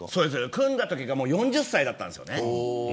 組んだときがもう４０歳だったんですよね。